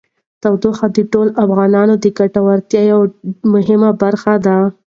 تودوخه د ټولو افغانانو د ګټورتیا یوه مهمه برخه ده.